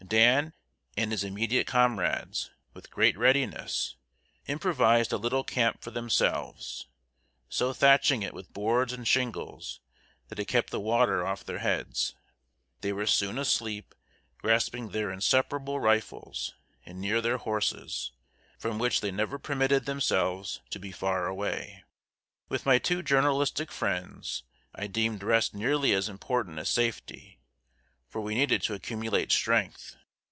Dan and his immediate comrades, with great readiness, improvised a little camp for themselves, so thatching it with boards and shingles that it kept the water off their heads. They were soon asleep, grasping their inseparable rifles and near their horses, from which they never permitted themselves to be far away. With my two journalistic friends, I deemed rest nearly as important as safety, for we needed to accumulate strength.